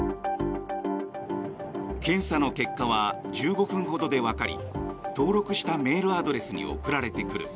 検査の結果は１５分ほどでわかり登録したメールアドレスに送られてくる。